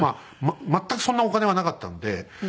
全くそんなお金はなかったので。